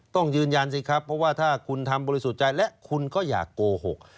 ต้องยืนยันสิครับเพราะว่าถ้าคุณทำบริสุทธิ์ใจและคุณก็อยากโกหก